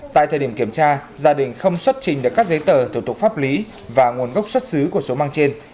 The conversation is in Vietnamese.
tại thời điểm kiểm tra gia đình không xuất trình được các giấy tờ thủ tục pháp lý và nguồn gốc xuất xứ của số măng trên